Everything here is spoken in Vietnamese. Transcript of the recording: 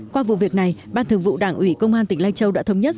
qua vụ việc này ban thường vụ đảng ủy công an tỉnh lai châu đã thống nhất